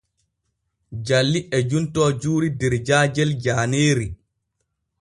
Jalli e juntoo juuri der jaajel jaaneeri.